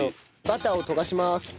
バターを溶かします。